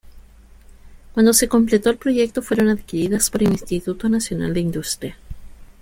Cuando se completó el proyecto fueron adquiridas por el Instituto Nacional de Industria.